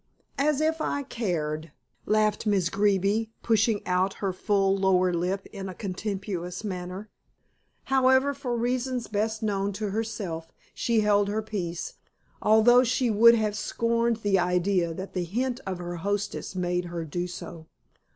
"As if I cared," laughed Miss Greeby, pushing out her full lower lip in a contemptuous manner. However, for reasons best known to herself, she held her peace, although she would have scorned the idea that the hint of her hostess made her do so.